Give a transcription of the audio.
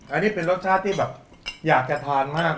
อันนี้เป็นรสชาติที่แบบอยากจะทานมาก